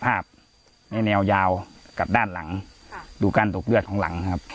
ภาพในแนวยาวกับด้านหลังดูการตกเลือดของหลังนะครับ